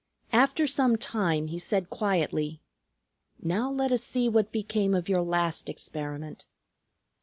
After some time he said quietly, "Now let us see what became of your last experiment."